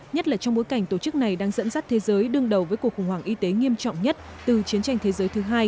nhất là trong bối cảnh tổ chức này đang dẫn dắt thế giới đương đầu với cuộc khủng hoảng y tế nghiêm trọng nhất từ chiến tranh thế giới thứ hai